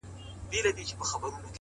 پوه انسان له پوښتنې نه شرمیږي،